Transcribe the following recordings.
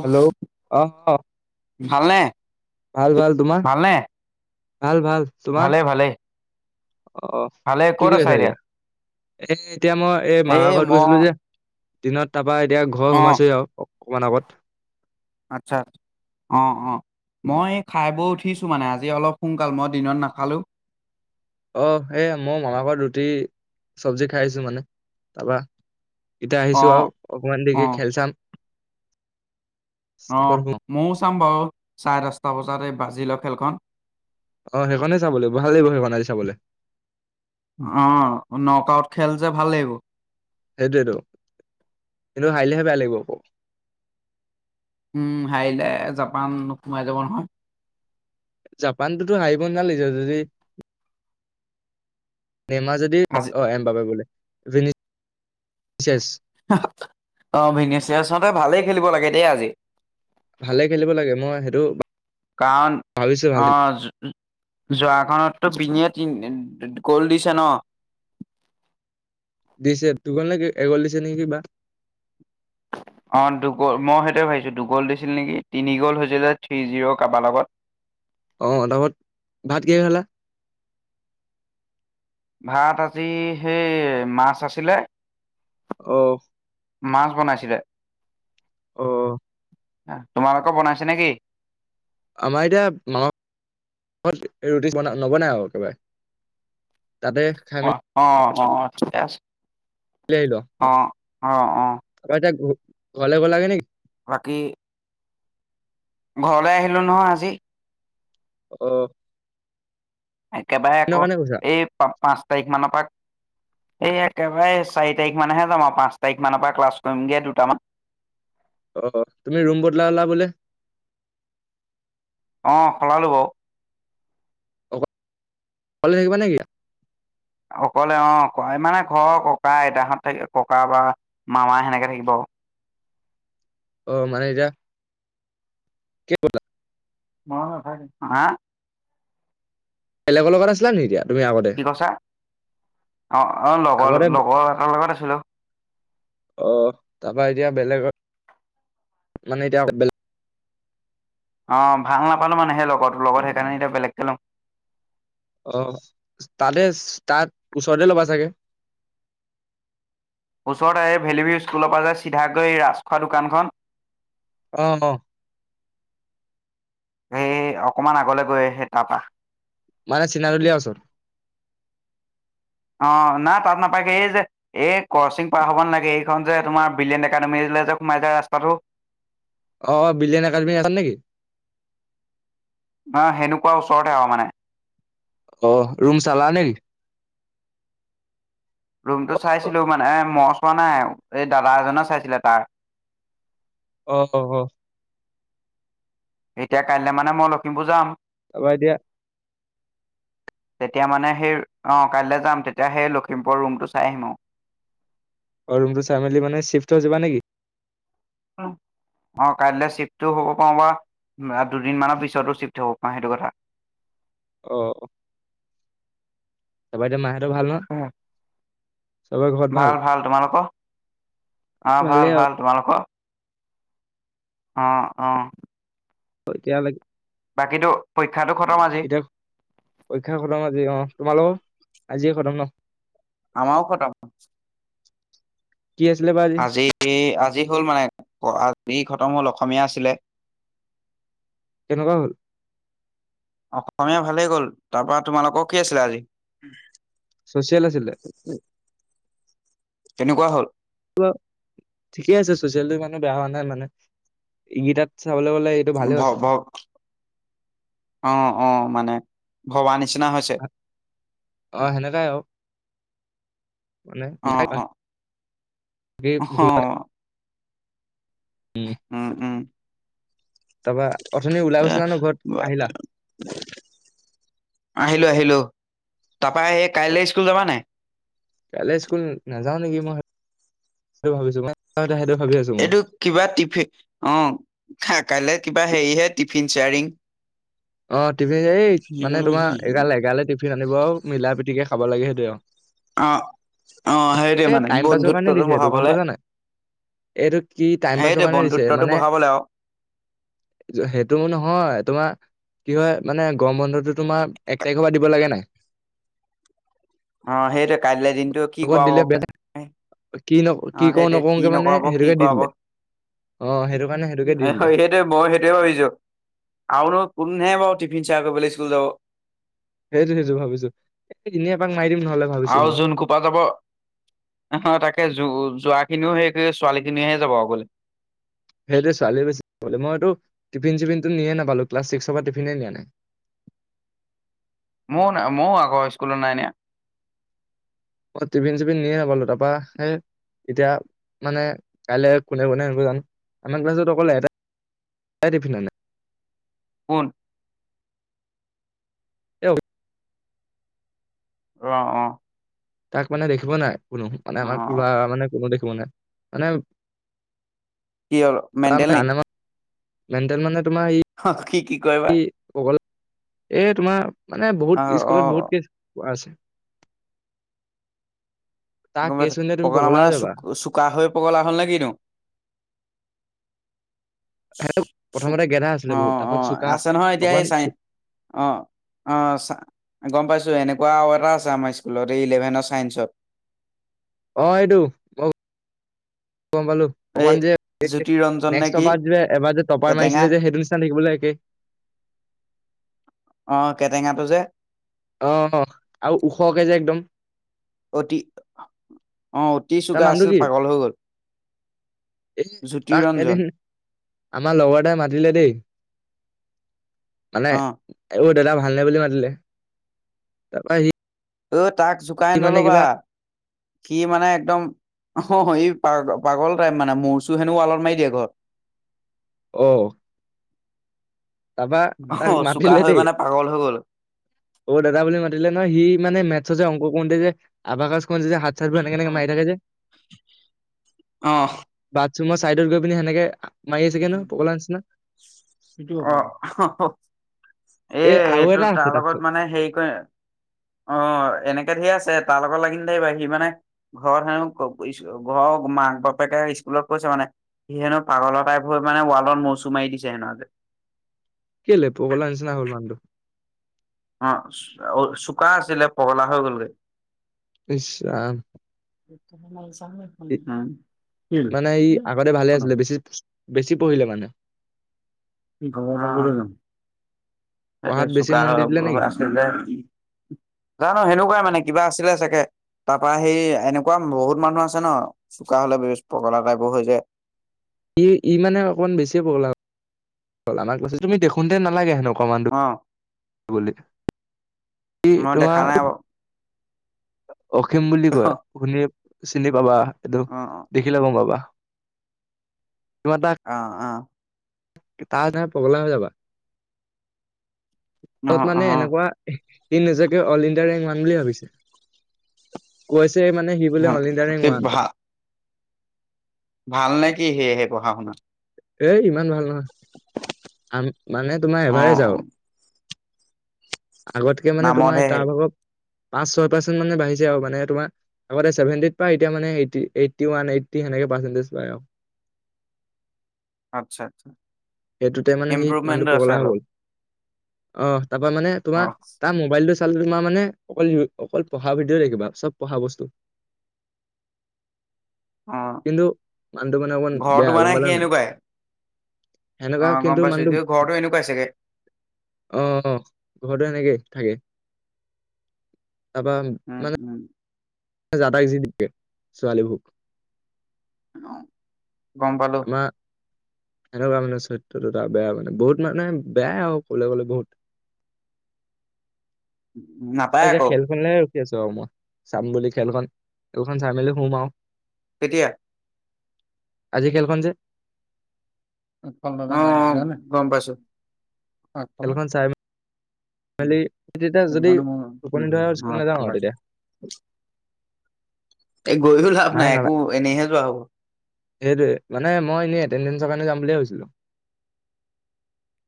Hello আহ ভালনে? ভাল ভাল। তোমাৰ? ভালনে? ভাল ভাল। তোমাৰ? ভালে ভালে অ' ভালে কি ক'ত কৰি আছা এতিয়া? এতিয়া এ এতিয়া মই এই মামা ঘৰত গৈছিলো যে। দিনত তাৰপা এতিয়া ঘৰ অ' সোমাইছোই আৰু অকমান আগত। আচ্ছা অ' অ'। মই খাই বৈ উঠিছো মানে আজি অলপ সোনকাল মই দিনত নাখালোঁ। অ' সেই মই মামাৰ ঘৰত ৰুটি চব্জি খাই আহিছো মানে তাৰপা। এতিয়া আহিছো অ' আৰু অকমান দেৰিকৈ অ'। খেল চাম। তাৰপৰা অ' শুম। ময়ো চাম বাৰু চাৰে দচটা বজাত এই ব্ৰাজিলৰ খেলখন। আহ সেইখনে চাব লাগিব ভাল লাগিব সেইখন আজি চাবলৈ। অ' নক আউট খেল যে ভাল লাগিব। সেইটোৱো কিন্তু হাৰিলেহে বেয়া লাগিব আকৌ। উম হাৰিলে জাপান সোমাই যাব নহয়। জাপানটোতো হাৰিব [unintelligible] নমাৰ যদি আজি অ' এম্বাপ্পে বোলে অ' ভনেচতে ভালেই খেলিব লাগে দেই আজি। ভালে খেলিব লাগে মই সেইটো কাৰণ ভাবিছো ভাল অ' যোৱাখনতো বিনিয়ে তি গ'ল দিছে ন। [inaudible] দিছে [unintelligible] নে কিবা অ' দুগল মই সেইটোৱে ভাবিছোঁ দুগ'ল দিছিল নেকি তিনি গ'ল হৈছিলে থ্ৰী জিৰ' কাৰোবাৰ লগত। আহ তাবত ভাত কিহেৰে খালা? ভাত আজি সেই মাছ আছিলে। আহ মাছ বনাইছিলে। অ' তোমালোকৰ বনাইছে নে কি? আমাৰ এতিয়া মামা ঘৰত ৰুটি ব নবনাই আৰু একেবাৰে। তাতে খাই অ' অ' অ' ঠিকেই আছে। [unintelligible] অ' এতিয়া অ অ অ ঘৰলৈ গ'লাগে নেকি? বাকী ঘৰলৈ আহিলো নহয় আজি। আহ। একেবাৰে আকৌ এই প পাঁচ তাৰিখ মানৰ পৰা এই একেবাৰে চাৰি তাৰিখ মানেহে যাম আৰু পাঁচ তাৰিখ মানৰ পৰা ক্লাছ কৰিমগে দুটামান। হয়। আহ তুমি ৰুম বদলালা বোলে? অ' সলালো বাৰু। অ' অকলে থাকিবা নেকি? অকলে অ' মানে ঘৰ ককা আইতাহঁত থাক ককা বা মামা সেনেকে থাকিব আৰু। অ মানে এতিয়া। কে বদ লা [unintelligible] মই নেথাকিম, হা বেলেগৰ লগত আছিলা নি এতিয়া, তুমি আগতে কি কৈছা? অ অ লগৰ আগতে লগৰ এটাৰ লগত আছিলো। অ তাৰপা এতিয়া বেলেগত, মানে এতিয়া বেলেগত, অ ভাল নাপালো মানে, সেই লগতোৰ লগত সেইকাৰণে এতিয়া বেলেগকে লম। অ তাতে তাত, ওচৰতে ল'বা চাগে। ওচৰতে ভেলিভি স্কুলৰ পৰা যে চিধাকৈ় ৰাজখোৱা দোকানখন। অ অ। সেই অকমান আগলে গৈ সেই তাৰপা। মানে চিনাৰলিয়াৰ ওচৰত। অ না তাত নাপায়গে এই যে, এই কচিং পাৰ হ'ব নালাগে এইখন যে তোমাৰ বিলিয়েন্ট একাডেমীলৈ যে, [unintelligible] সোমাই যায় ৰাস্তাটো, অ বিলিয়েন একাডেমি হেইখন নেকি? অ সেনেকুৱা ওচৰতে আউ মানে। অ ৰুম চালা নেকি? ৰুমটো অ', চাইছিলো মানে মই চোৱা নাই, এই দাদা এজনে চাইছিলে তাৰ। অ অ অহ। এতিয়া কাইলে মানে মই লখিমপুৰ যাম। তাৰপা এতিয়া। [inaudible] তেতিয়া মানে সেই অ কাইলৈ যাম তেতিয়া সেই লখিমপুৰৰ ৰুমটো চাই আহিম আও অ ৰুমটো চাই মেলি মানে চিফ্ট হৈ যাবা নেকি অ অ কাইলৈ চিফ্টটো হব পাও বা দুদিন মানৰ পিছতো চিফ্ট হব পাওঁ সেইটো কথা [inaudible] অ তপা এতিয়া মাহতৰ ভাল ন ভাল ভাল তোমালোকৰ অ ভালেই ভাল আৰু ভাল তোমালোকৰ অ অ হয় এতিয়া লৈ বাকীতো পৰী এতিয়া পৰীক্ষা খতম আজি অ তোমালোকৰ আজিয়ে খতম ন আমাও খতম কি আছিলে বা আজি আজি হ'ল মানে আজি খত খতম হ'ল অসমীয়া আছিলে কেনেকুৱা হ'ল অসমীয়া ভালেই গ'ল তাপা তোমালোকৰ কি আছিলে আজি ছ'চিয়েল আছিলে কেনেকুৱা হল ঠিকেই আছে চচিয়েল টো ইমানো বেয়া হোৱা নাই মানে ইগিটাত ভ ভ অ অ মানে ভবা নি অ সেনেকাই আও মানে [unintelligible] অহ উম, উম। তাৰপা, অথনি ওলাই এ গৈছিলা নহয়, ঘৰত আহিলা? আহিলোঁ, আহিলোঁ। তাপা এই অ', কাইলে স্কুল যাবা নাই? কাইলে ইস্কুল নাযাওঁ নেকি মই, ভাবিছোঁ [inaudible] এইটো কিবা টিফি-অ', খা কাইলে কিবা হেৰিহে টিফিন চেয়াৰিং অ', টিফি এই মানে তোমাৰ এগাল, এগালে টি ফিন আনিব আৰু, মিলা প্ৰীতিকে খাব লাগে সেইটোয়ে আৰু। অ অ সেইটোৱে এ, মানে টাইম পাছৰ কাৰণে বন্ধুত্বটো দিছে এইটো, গম বঢ়াবলে পাইছানে নাই? এইটো কি টাইম পাছৰ সেইটোৱে কাৰণে দিছে, বন্ধুত্বটো মানে বঢ়াবলে আও হেইটো নহয়, তোমাৰ কি হয়, মানে গৰম বন্ধটো তোমাৰ এক তাৰিখৰ পৰা দিব লাগে নাই? অ', সেইটোৱে কাইলে দিনটো কি আগত কৱাব দিলে [unintelligible] বেলেগ কি ন কি অ', কৰো সেইটোৱে কি নকৰোকে মানে নকৰাব, কি সেইটোকে দি কৰাব। দিলে অ সেইটো কাৰণে সেইটোকে দি দিলে সেইটোৱে, ময়ো সেইটোয়ে ভাবিছোঁ, আৰুনো কোন [unintelligible] টিফিন চেয়াৰ কৰিবলৈ ইস্কুল যাব। সেইটো, সেইটো ভাবিছোঁ, এনেই এপাক মাৰি দিম নহ'লে ভাবিছোঁ মই। অহ, তাকে যো-যোৱা খিনিও হেৰি [unintelligible] ছোৱালী খিনিহে যাব আৰু গ'লে। সেইটোৱে ছোৱালীয়ে বেছি [unintelligible] মইটো টিফিন, চিফিনটো নিয়ে নাপালোঁ, ক্লাচ ছিক্সৰ পৰা টিফিনে নিয়া নাই। ম-ময়ো আগৰ ইস্কুলত নাই নিয়া। অ', টিফিন, চিফিন নিয়ে নাপালোঁ তাপা সেই এতিয়া মানে কাইলে কোনে, কোনে [unintelligible] জানো, আমাৰ ক্লাছত অকল এটা টিফিন আনে কোন? [unintelligible] অ', অ'। তাক মানে দেখিব নাই কোনো মানে আমাক লৰা মানে কোনো দেখিব নাই মানে কি হল তাৰ মেণ্ডেল নি? মানে মেণ্টেল মানে, অ' কি কি? কয় বা অ' এই তোমাৰ মানে অ বহুত অ স্কুলত বহুতকে আছে। তাৰ গম কেছ পাইছো শুনিলে তুমি পগলা হৈ মানে চু যাবা চোকা হৈ পগলা হ'ল নে কিন্তো চু প্ৰথমতে গেধা আছিলে বহুত অ' তাৰপত অ' চোকা আছে নহয় এতিয়া এই অকমান চাই চো- অ' অ' গম পাইছো এনেকুৱা এটা আছে আমাৰ স্কুলত এই ইলেভেনৰ চাইন্সত অ' এইটো মই গম পালো এই অকমান যে, জ্যোতি ৰঞ্জন নে নেক্সট কি টপাৰ যে এবাৰ যে টপাৰ কেটেঙা মাৰিছিলে যে সেইটো নিচিনা থাকিবলৈ একেই, অ' কেটেঙাতটো যে, আহ আৰু ওখকে যে একদম অতি অ' অতি তাৰ চগা নামটো আছিল কি পাগল হৈ গল এই তাক জ্যোতিৰঞ্জন এদিন আমাৰ লগৰটাই মাতিলে দেই মানে অ দাদা ভাল নে বুলি মাতিলে তাৰপা সি অ' তাক জোকাই মানে নল'বা কিবা কি মানে? একদম অ' এই পাগ পাগল টাইপ মানে মূৰচু হেনোও আালত মাৰি দিয়ে ঘৰত আহ তাৰপা অ তাক চোকা মাতিলে হৈ দেই মানে পাগল হৈ গ'ল অ' দাদা বুলি মাতিলে নহ সি মানে মেথছ যে অংক কৰোতে যে আভ যে হাত চ এনেকনেকে মাৰি থাকে যে অ চু মই ছাইডত গৈ পিনি সেনেকে মাৰি উ আছেগে ন পগলা নিচিনা এ এই আৰু এইটো এটা তাৰ আছে লগত তাৰপিছত মানে হেৰি কৰে, অঁ এনেকে ধেৰ আছে ছে তাৰ লগত নাথাকিবা সি মানে ঘৰত হেনো ঘৰৰ মাক বাপেকে স্কুলত কৈছে মানে সি হেনো পাগলৰ টাইপ হৈ মানে ৱালত মূৰচুৰ মাৰি দিছে হেনো আজি। কেলে পগলাৰ নিচিনা হ'ল মানুহটো? অ অ' চোকা আছিলে পগলা হৈ গলগে। ইচ ৰাম [inaudible] উম [inaudible] মানে ই আগতে ভালে আছিলে বেছি চো বেছি পঢ়িলে মানে [unintelligible] সেইটোৱে পঢ়াত বেছি চোকা মন দি দিলে নেকি আছিলে, জানো সেনেকুৱাই মানে। কিবা আছিলে চাগে। তাৰ পা সেই এনেকুৱা বহুত মানুহ আছে ন চোকা হলে পগলা টাইপৰ হৈ যায়। ই ই মানে অকমান বেছিয়েই পগলা হ'ল, তুমি দেখোনতে নালাগে হেনো অ মই দেখা নাই [unintelligible] বাৰু অসীম বুলি কয়, শুনি চিনি পাবা এইটো অ অ দেখিলে গম পাবা। তোমাৰ তাক অ অ তাৰ কাৰণে পগলা হৈ যাবা? অ তাত অ মানে অ এনেকুৱা ই নিজকে অল ইণ্ডিয়া ৰেংক ৱান বুলি ভাবিছে কৈ মানে সি বোলে অল ইণ্ডিয়া ৰেং কি ৱান। ভাল ভাল নে কি সে সে পঢ়া শুনাত এ ইমান ভাল নহয় আ মানে তোমাৰ অ এভাৰেজ অ আও। আগতকে মানে তোমাৰ নামতহে তাৰ সেই ভাগ পাঁচ ছয় পাৰ্চেট মানে বাঢ়িছে আৰু মানে তোমাৰ আগতে চেভেন্টি পাই এতিয়া মানে এই এইটি ওৱান এইটি সেনে সেই পাৰ্চেনটেজ পাই আও। আত্ছা আত্ছা সেইটোতে মানে সি মানুহটো পগলা হৈ গ'ল। অঁ তাপা মানে অ তোমাৰ তাৰ মোবাইলটো তোমাৰ মানে অকল, অকল পঢ়া ভিডিঅ এ দেখিবা চব পঢ়াবস্তু। অ কিন্তু মানুহটো কাৰে অকমান ঘৰটো বেয়া, গম মানে সি পালে নাই। এনেকুৱাই অ সেনেকুৱা গম কিন্তু পাইছো মানুটো সি ঘৰটো এনেকুৱাই চাগে আহ ঘৰটো সেনেকেই। থাকে তাৰপা উম মানে উম যাটাক যি টি কয় ছোৱালী ভোক। অঁ, গম পালো। আমাৰ সেনেকুৱা মানে চৰিত্ৰটো তাৰ বেয়া মানে বহুত মানে বেয়াই আৰু ক'বলে গ'লে বহুত। [inaudible] আৰু নাপায় এতিয়া আকৌ। খেলখনলে ৰখি আছো আৰু মই, চাম বুলি খেলখন খেলখন চাই মেলি শুম আও। কেতিয়া? আজি খেলখন যে, [unintelligible] গম পাইছো [unintelligible] খালি তেতিয়া যদি টোপনি ধৰে স্কুল নাযাওঁ আৰু তেতিয়া এ গৈও লাভ মায়ে নাই নালা একো এনেইহে যোৱা হ'ব। সেইটোৱে মানে মই এনেই এটেডেঞ্চৰ কাৰণে যাম বুলিয়ে ভাবিছিলো।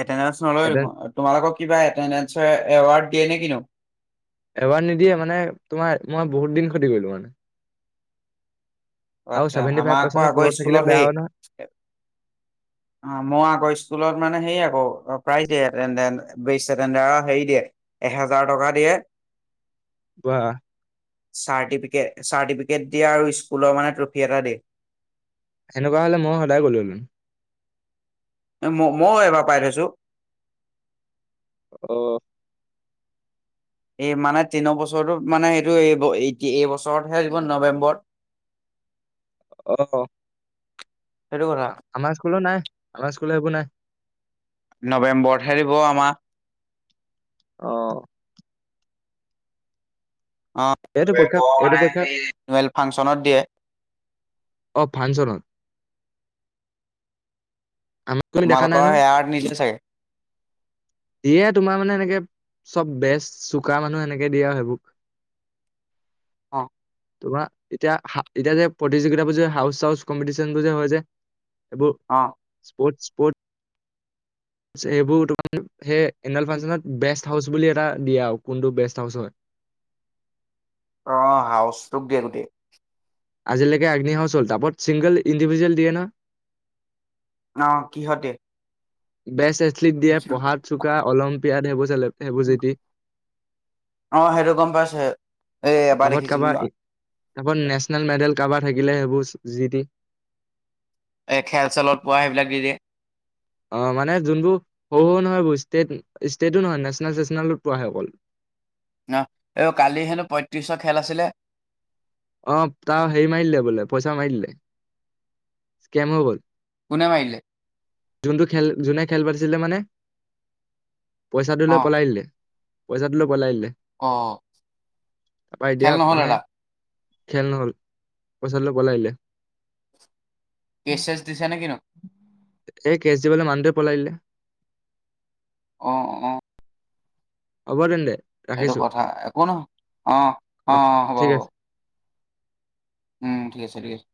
এটেডেঞ্চ নলয় দেখোন, তোমালোকক কিবা এটেডেঞ্চৰ এৱাৰ্ড দিয়ে নে কিনো? এবাৰ্ড নিদিয়ে মানে তোমাৰ মই বহুত দিন খতি কৰিলো মানে। অ আৰু আচ্ছা ছেভেন্টি ফাইভ আমাৰ আকৌ পাৰ্চেণ্টৰ আগৰ তলত থাকিলে স্কুলত বেয়া হয় নহয়, সেই আ মই আগৰ স্কুলত মানে সেইয়াক প্ৰ প্ৰাইজ দিয়ে, [unintelligible] হেৰি দিয়ে এহেজাৰ টকা দিয়ে। [unintelligible] বাাহ চাৰ্টিফিকেট দিয়ে আৰু স্কুলৰ মানে ট্ৰফি এটা দিয়ে সেনেকুৱা হলে মই সদায় গ'ল'লোম ম মইো এবাৰ পাই থৈছো অ এই মানে তিন বছৰৰতো মানে সেইটো এই এইবছৰতহে আহিব নৱেম্বৰ [unintelligible] আহ সেইটো কথা আমাৰ স্কুলো নাই আমাৰ স্কুল সবোৰ নাই নৱেম্বৰ থৰিিব আমাৰ অ অ এইটো পৰীক্ষা এইটো মানে পৰীক্ষা সেই এুৱেল ফাংচনত দিয়ে অ ফাংচনত আমাক কো দেখা নাই তোমালোকৰ ন সেয়াত নিদিয়ে চাগে দিয়ে তোমাৰ মানে এনেকে চব বেচ চোকা মানুহ এনেকে দিয়ে আৰু সেইবোৰক অ তোমাৰ এতিয়া এতিয়া যে প্ৰতিযোগিতাাবোৰ যে হাউচ চাউচ কম্পিটিচনবোৰ যে হৈ যে এব অ স্পৰ্ট স্পৰ্ট এইবোৰ তো সেই এনুৱেল ফাংচনত বে হাউচ বুলি এটা দিয়া আৰু কোনটো বেষ্ট হাউচ হয় অ হাউচটোক গেৰুোটেই আজিলৈকে আগ্নিহাউচ হল তাৰাপত ছিংগল ইণ্ডিভিজুৱেল দিয়ে ন অ কিহঁতে বেষ্ট এথলিট দিয়ে পঢ়াত চোকা অলিম্পিয়ডব হেবুজেটি অ সেইটো গম পাইছো এই এবাৰ তপত দেখিছিলো ন কাৰোবাৰ তত নেশচনেল মেডেল কাৰোবাৰ থাকিলে সেইবোৰ যি দি এই খেল চেলত পোৱা সেইবিলাক দিয় অ মানে যোনবোৰ শৰু সৰু নহয় বোৰ ষ্টেট ষ্টেটোো নহয় নেশচনেল চেচনেলত পোৱাে অকল অ এই কালি হেনো পঁয়ত্ৰিশ খেল আছিলে অ তাৰ হেৰি মাৰিলে বোলে পইচা মাৰিলে স্কেম হৈ গ'ল পুনেমিলে যোনটো খেল যোনে খেল পাতিছিলে মানে পইচাটো অ লৈ পলাই দিলে পইচাটো ল পলাই আহিলে অ এতিয়া খেল নহল মানে দাদটা খেল নহ পচাৰিলে বলাইলে কেচ এছ দিছো নে কিনো এ কেচ দিবলৈ মানুহদে পলাই দিলে অ অ অ অবাৰে এইেইটো কথা একো নহ অ অ অ হ'ব ঠিক হ'ব আছে উম ঠিক আছে ঠিক আছে